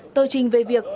tờ trình về việc